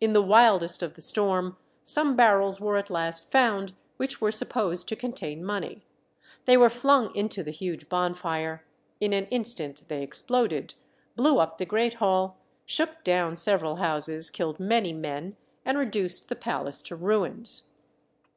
In the wildest of the storm, some barrels were at last found which were supposed to contain money. They were flung into the huge bonfire; in an instant they exploded, blew up the great hall, shook down several houses, killed many men, and reduced the palace to ruins.